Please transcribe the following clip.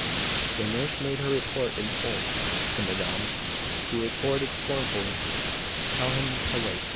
The nurse made her report in full to Madame, who retorted scornfully: "Tell him to wait."